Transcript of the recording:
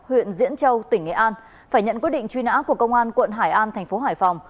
huyện diễn châu tỉnh nghệ an phải nhận quyết định truy nã của công an quận hải an thành phố hải phòng